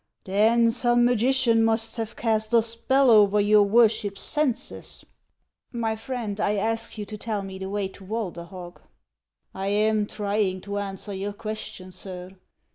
" Then some magician must have cast a spell over your worship's senses." " My friend, I asked you to tell me the way to Walderhog." " I am trying to answer your question, sir.